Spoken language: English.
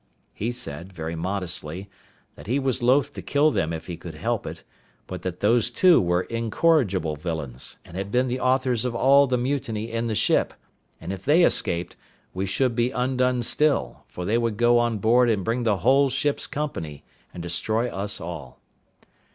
He said, very modestly, that he was loath to kill them if he could help it; but that those two were incorrigible villains, and had been the authors of all the mutiny in the ship, and if they escaped, we should be undone still, for they would go on board and bring the whole ship's company, and destroy us all.